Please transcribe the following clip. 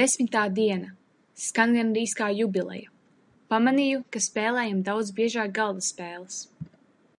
Desmitā diena. Skan gandrīz kā jubileja. Pamanīju, ka spēlējam daudz biežāk galda spēles.